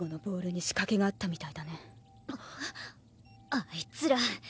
あいつら！